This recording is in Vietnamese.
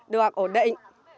được ổn định